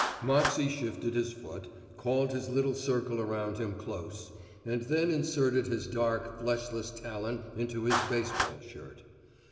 Moxey shifted his foot, called his little circle around him close and then inserted his dark, fleshless talon into his baseball shirt.